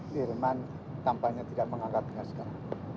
firman tampaknya tidak menganggapnya sekarang